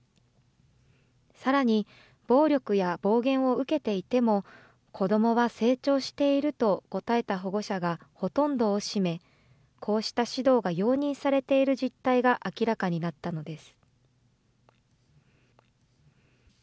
さらに、暴力や暴言を受けていても、子どもは成長していると答えた保護者がほとんどを占め、こうした指導が容認されている実態が明らかになったのです。